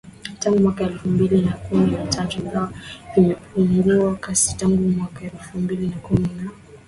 tangu mwaka elfu mbili na kumi na tatu ingawa vimepungua kasi tangu mwaka elfu mbili na kumi na nane